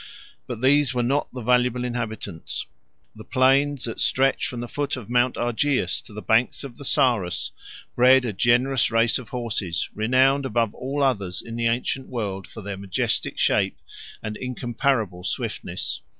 154 But these were not the valuable inhabitants: the plains that stretch from the foot of Mount Argæus to the banks of the Sarus, bred a generous race of horses, renowned above all others in the ancient world for their majestic shape and incomparable swiftness.